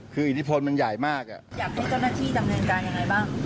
คืออิทธิพลมันใหญ่มากอ่ะอยากให้เจ้าหน้าที่ดำเนินการยังไงบ้าง